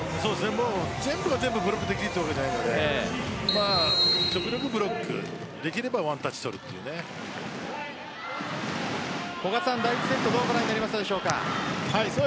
全部が全部ブロックできるわけではないので極力ブロックできればワンタッチを古賀さん第１セットどうご覧になっていますか。